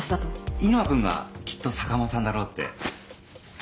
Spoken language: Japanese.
入間君がきっと坂間さんだろうって。